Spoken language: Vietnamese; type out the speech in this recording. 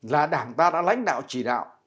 là đảng ta đã lãnh đạo chỉ đạo